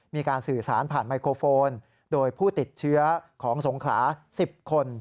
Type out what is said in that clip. มีการสื่อสารผ่านไมโครโฟนโดยผู้ติดเชื้อของสงขลา๑๐คน